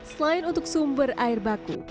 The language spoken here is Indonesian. selain untuk sumber air baku